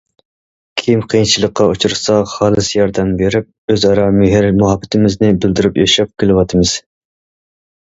كىم قىيىنچىلىققا ئۇچرىسا خالىس ياردەم بېرىپ، ئۆزئارا مېھىر- مۇھەببىتىمىزنى بىلدۈرۈپ ياشاپ كېلىۋاتىمىز.